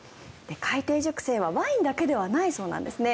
海底熟成ワインはワインだけではないそうなんです。